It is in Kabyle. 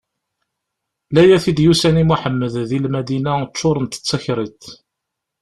Layat i d-yusan i Muḥemmed di Lmadina ččurent d takriṭ.